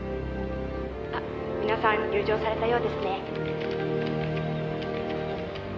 「あ皆さん入場されたようですね」